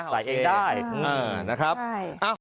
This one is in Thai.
ใส่เองได้